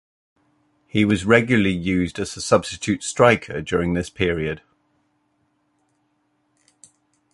He was regularly used as a substitute striker during this period.